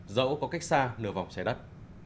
dẫu có cách xa nửa vòng trái đất